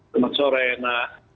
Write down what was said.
selamat sore mbak